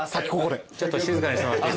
ちょっと静かにしてもらって。